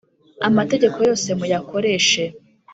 Amategeko yose muyakoreshe.